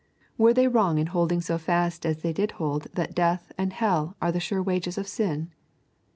Were they wrong in holding so fast as they did hold that death and hell are the sure wages of sin?